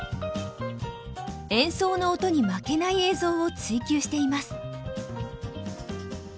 演奏の音に負けない映像を追究しています。